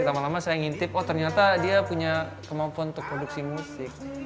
lama lama saya ngintip oh ternyata dia punya kemampuan untuk produksi musik